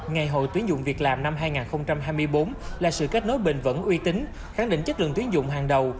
ngày hội tuyến dụng việc làm năm hai nghìn hai mươi bốn là sự kết nối bình vẩn uy tín khẳng định chất lượng tuyến dụng hàng đầu